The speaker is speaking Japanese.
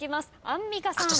アンミカさん。